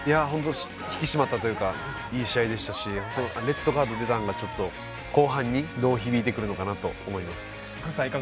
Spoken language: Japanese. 引き締まったというかいい試合でしたしレッドカード出たのがちょっと後半にどう響いてくるかなと思います。